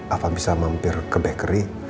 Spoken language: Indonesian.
apa bisa mampir ke bakery